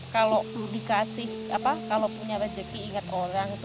kalau dikasih kalau punya rezeki ingat orang